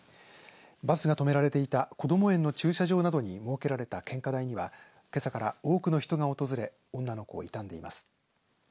バスが止められていたこども園の駐車場などに設けられた献花台にはけさから多くの人が訪れ女の子を悼んでいます。